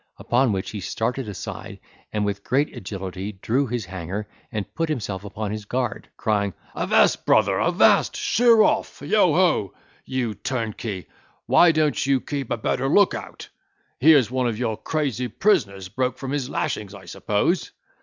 Upon which he started aside with great agility, drew his hanger, and put himself upon his guard, crying, "Avast, brother, avast! Sheer off. Yo ho! you turnkey, why don't you keep a better look out? Here's one of your crazy prisoners broke from his lashings, I suppose."